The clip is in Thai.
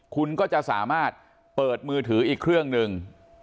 คุณก็จะสามารถเปิดมือถืออีกเครื่องหนึ่ง